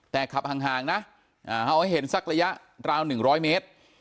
แต่ขับห่างนะเอาให้เห็นสักระยะราว๑๐๐เมตร